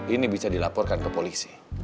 ini bisa dilaporkan ke polisi